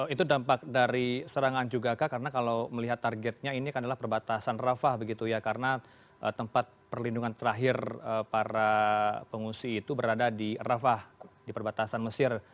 itu dampak dari serangan juga kak karena kalau melihat targetnya ini adalah perbatasan rafah begitu ya karena tempat perlindungan terakhir para pengungsi itu berada di rafah di perbatasan mesir